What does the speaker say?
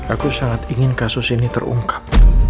aku sangat ingin kasus ini terungkap